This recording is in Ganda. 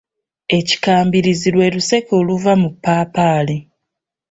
Ekikambirizi lwe luseke oluva ku ppaapaali.